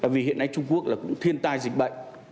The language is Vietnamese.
vì hiện nay trung quốc là cũng thiên tai dịch bệnh